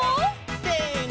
せの！